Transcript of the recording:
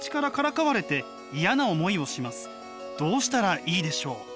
「どうしたらいいでしょう？」。